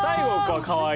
はい。